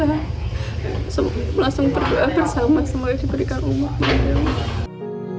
langsung berdoa bersama semoga diberikan umur